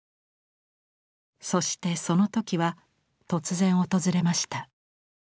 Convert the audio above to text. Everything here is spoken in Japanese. そしてその時は突然訪れました。